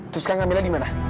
terus kan kamila di mana